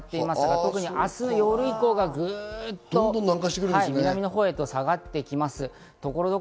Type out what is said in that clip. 特に明日の夜以降がぐっと南のほうに下がってきます。